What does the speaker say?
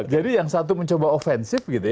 jadi yang satu mencoba ofensif gitu ya